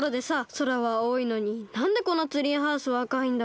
空は青いのになんでこのツリーハウスはあかいんだろう？